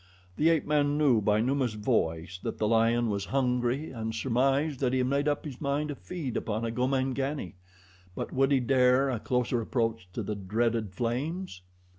The ape man knew by Numa's voice that the lion was hungry and surmised that he had made up his mind to feed upon a Gomangani; but would he dare a closer approach to the dreaded flames?